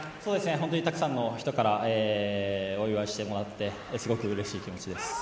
本当にたくさんの人からお祝いしてもらって本当にすごくうれしい気持ちです。